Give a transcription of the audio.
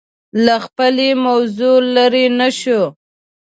له خپلې موضوع لرې نه شو